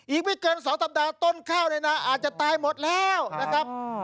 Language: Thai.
อีกไม่เกิน๒สัปดาห์ต้นข้าวเนี่ยนะอาจจะตายหมดแล้วนะครับ